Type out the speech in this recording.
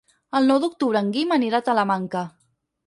El nou d'octubre en Guim anirà a Talamanca.